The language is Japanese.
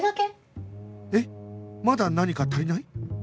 まだ何か足りない？